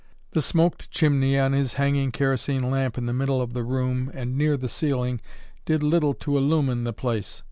The smoked chimney on his hanging kerosene lamp in the middle of the room and near the ceiling did little to illumine the place.